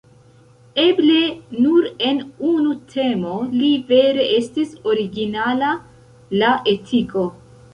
Eble nur en unu temo li vere estis originala: la etiko.